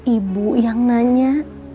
ibu yang nanya